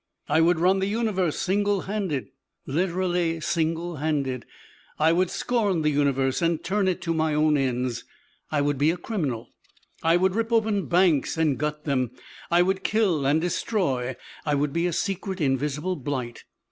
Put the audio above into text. I would run the universe single handed. Literally single handed. I would scorn the universe and turn it to my own ends. I would be a criminal. I would rip open banks and gut them. I would kill and destroy. I would be a secret, invisible blight.